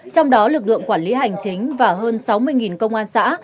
trong đó lực lượng quản lý hành chính và hơn sáu mươi công an xã